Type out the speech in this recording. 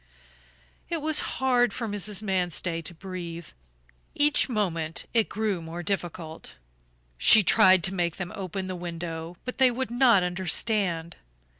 It was hard for Mrs. Manstey to breathe; each moment it grew more difficult. She tried to make them open the window, but they would not understand.